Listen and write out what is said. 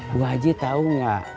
bu haji tau gak